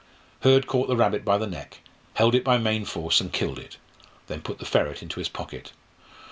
Hurd caught the rabbit by the neck, held it by main force, and killed it; then put the ferret into his pocket.